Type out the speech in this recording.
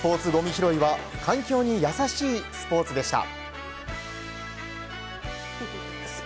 拾いは環境にやさしいスポーツでした。